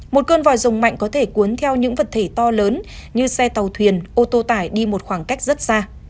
một cơn vòi rồng mạnh có thể cuốn theo những vật thể to lớn như xe tàu thuyền ô tô tải đi một khoảng cách rất xa